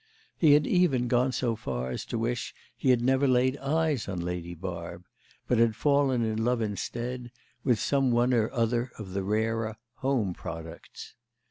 He had even gone so far as to wish he had never laid eyes on Lady Barb, but had fallen in love instead with some one or other of the rarer home products.